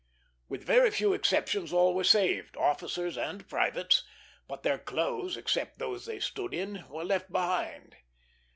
With very few exceptions all were saved, officers and privates; but their clothes, except those they stood in, were left behind.